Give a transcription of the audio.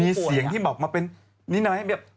มีเสียงที่มักเบาะมานี้แบบ